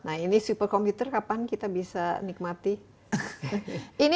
nah ini super komputer kapan kita bisa nikmati